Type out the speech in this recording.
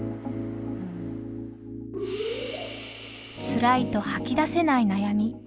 つらいと吐き出せない悩み。